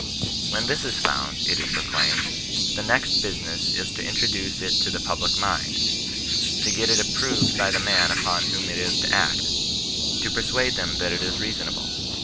When this is found, it is proclaimed ; the next business is to introduce it to the public mind ; to get it approved by the men upon whom it is to act ; to persuade them that it is reasonable.